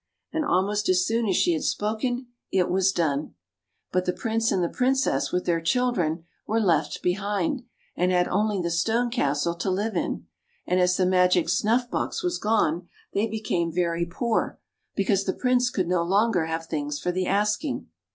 And almost as soon as she had spoken, it was done. But the Prince and the Princess, with their children, were left behind, and had only the stone castle to live in; and as the magic snuff box was gone, they became very poor, because the Prince could no longer have things for the asking.